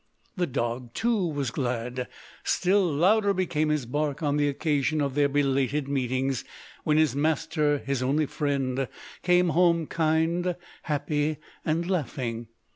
The dog too was glad. Still louder became his bark on the occasion of their belated meetings, when his master, his only friend, came home kind, happy, and laughing.